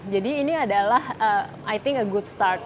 jadi ini adalah i think a good start